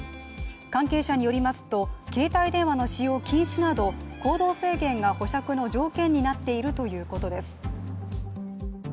関係者によりますと携帯電話の使用禁止など行動制限が保釈の条件になっているということです。